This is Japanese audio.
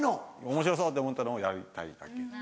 おもしろそうって思ったのをやりたいだけ。